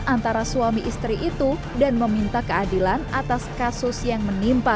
antara suami istri itu dan meminta keadilan atas kasus yang menimpa